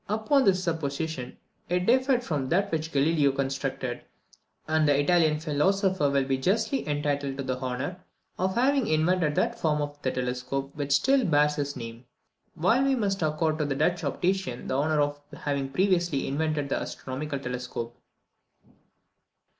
Upon this supposition, it differed from that which Galileo constructed; and the Italian philosopher will be justly entitled to the honour of having invented that form of the telescope which still bears his name, while we must accord to the Dutch optician the honour of having previously invented the astronomical telescope.